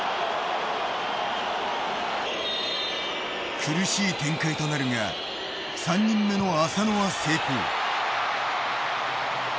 苦しい展開となるが３人目の浅野は成功。